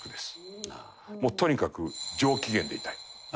もうとにかく上機嫌でいたい。